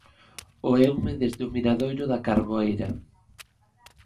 O Eume desde o miradoiro da Carboeira.